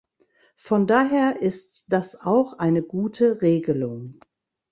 Von daher ist das auch eine gute Regelung.